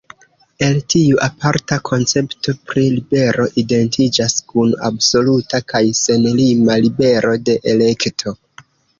El tiu aparta koncepto pri libero identiĝas kun absoluta kaj senlima “libero de elekto”.